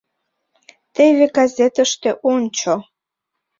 Теве газетыште ончо.